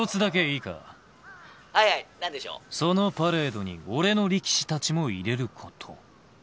そのパレードに俺の力士たちも入れること。